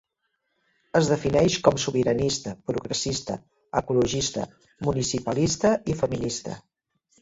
Es defineix com sobiranista, progressista, ecologista, municipalista i feminista.